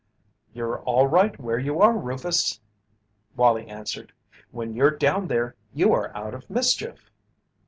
"You're all right where you are, Rufus," Wallie answered. "When you're down there you are out of mischief."